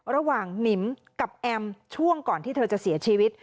หนิมกับแอมช่วงก่อนที่เธอจะเสียชีวิต